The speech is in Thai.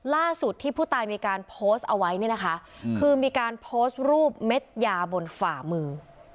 ล่าสุดที่ผู้ตายมีการโพสต์เอาไว้เนี่ยนะคะคือมีการโพสต์รูปเม็ดยาบนฝ่ามือ